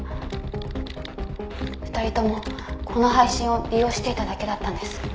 「２人ともこの配信を利用していただけだったんです」